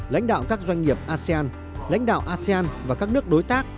lãnh đạo các doanh nghiệp asean lãnh đạo asean và các nước đối tác